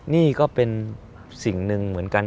นี่ก็เป็นสิ่งหนึ่งเหมือนกัน